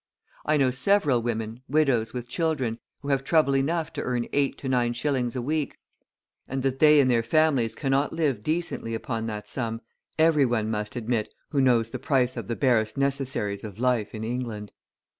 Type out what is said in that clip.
I know several women, widows with children, who have trouble enough to earn eight to nine shillings a week; and that they and their families cannot live decently upon that sum, every one must admit who knows the price of the barest necessaries of life in England.